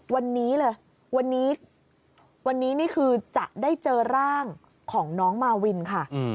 วันนี้เลยวันนี้วันนี้นี่คือจะได้เจอร่างของน้องมาวินค่ะ